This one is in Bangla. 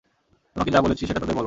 তোমাকে যা বলেছি সেটা তাদের বলো।